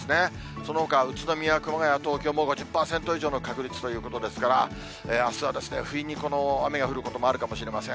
そのほかは宇都宮、熊谷、東京も５０％以上の確率ということですから、あすは不意にこの雨が降ることもあるかもしれません。